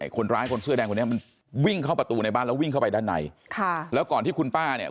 คนร้ายคนเสื้อแดงคนนี้มันวิ่งเข้าประตูในบ้านแล้ววิ่งเข้าไปด้านในค่ะแล้วก่อนที่คุณป้าเนี่ย